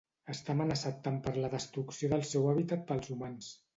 Està amenaçat tant per la destrucció del seu hàbitat pels humans.